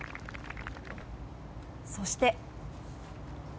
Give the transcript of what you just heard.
そして。